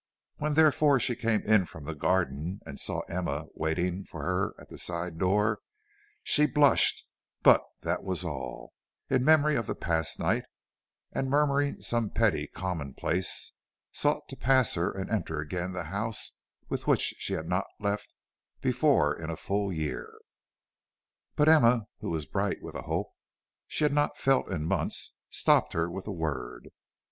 When, therefore, she came in from the garden and saw Emma waiting for her at the side door, she blushed, but that was all, in memory of the past night; and murmuring some petty commonplace, sought to pass her and enter again the house which she had not left before in a full year. But Emma, who was bright with a hope she had not felt in months, stopped her with a word.